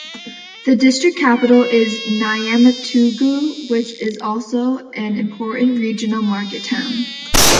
The district capital is Niamtougou which is also an important regional market town.